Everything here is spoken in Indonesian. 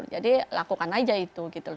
jadi lakukan aja itu